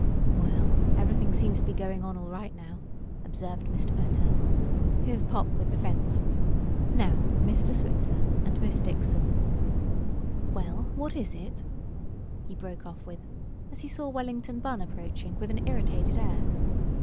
"Well, everything seems to be going on all right now," observed Mr. Pertell. "Here's Pop with the fence. Now, Mr. Switzer, and Miss Dixon well, what is it?" he broke off with, as he saw Wellington Bunn approaching with an irritated air.